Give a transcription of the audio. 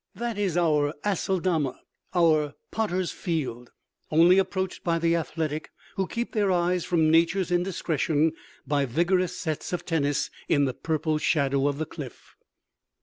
That is our Aceldama, our Potter's Field, only approached by the athletic, who keep their eyes from Nature's indiscretion by vigorous sets of tennis in the purple shadow of the cliff.